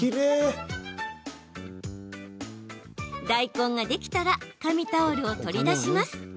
大根ができたら紙タオルを取り出します。